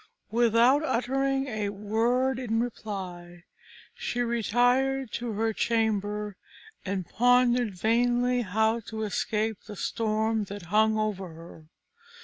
Without uttering a word in reply, she retired to her chamber, and pondered vainly how to escape the storm that hung over her.